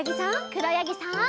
くろやぎさん。